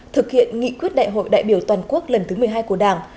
thực hiện nghị quyết đại hội đại biểu toàn quốc lần thứ một mươi hai của đảng